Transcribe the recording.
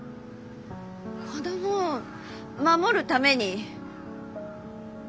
子供を守るために。